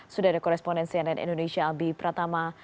sudah ada korespondensi dari indonesia albi pratama